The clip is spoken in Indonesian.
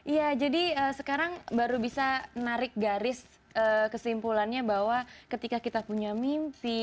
iya jadi sekarang baru bisa narik garis kesimpulannya bahwa ketika kita punya mimpi